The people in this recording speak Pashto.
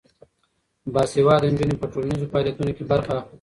باسواده نجونې په ټولنیزو فعالیتونو کې برخه اخلي.